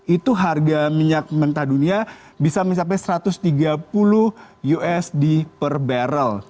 itu harga minyak mentah dunia bisa mencapai satu ratus tiga puluh usd per barrel